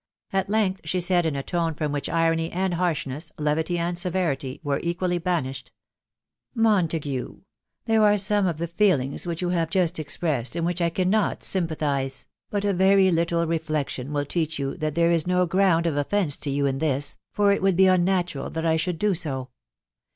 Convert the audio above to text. At length she said, in a tone from which bony and harshness, levity sad severity, were equally banished, —" Montague 1 .... there ore some of the feefings which you have just expic— ed, in which I cannot sympathise ; but a very little reflection will teach you that there is no ground of oneDcetoyouinthis .... lor it would be unnatural that I should do so.